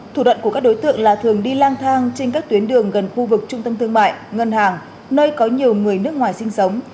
thủ đoạn của các đối tượng là thường đi lang thang trên các tuyến đường gần khu vực trung tâm thương mại ngân hàng nơi có nhiều người nước ngoài sinh sống